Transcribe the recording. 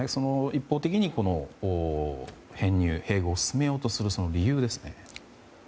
一方的に編入・併合を進めようとする理由です。